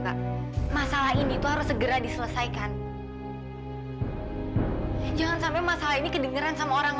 mbak masalah ini tuh harus segera diselesaikan jangan sampai masalah ini kedengeran sama orang